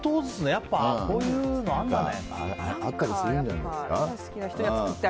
やっぱこういうのあるんだね。